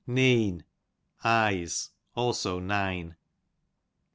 Neen, eyes ; also nine.